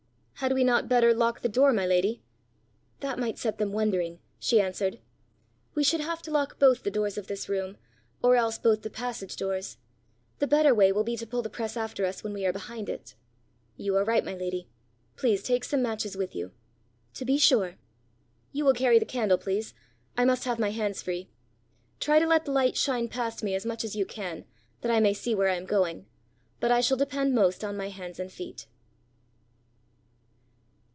"Had we not better lock the door, my lady?" "That might set them wondering," she answered. "We should have to lock both the doors of this room, or else both the passage doors! The better way will be to pull the press after us when we are behind it." "You are right, my lady. Please take some matches with you." "To be sure." "You will carry the candle, please. I must have my hands free. Try to let the light shine past me as much as you can, that I may see where I am going. But I shall depend most on my hands and feet."